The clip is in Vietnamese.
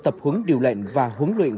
tập huấn điều lệnh và huấn luyện